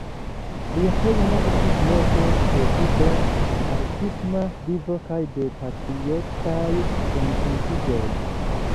Lia hejmo estis loko de vigla artisma vivo kaj de patriotaj renkontiĝoj.